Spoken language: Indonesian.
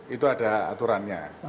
itu ada aturannya